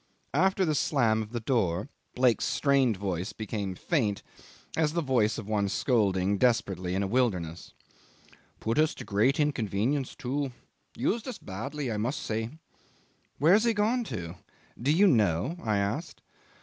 ... After the slam of the door Blake's strained voice became faint, as the voice of one scolding desperately in a wilderness. ... "Put us to a great inconvenience, too. Used us badly I must say ..." "Where's he gone to? Do you know?" I asked.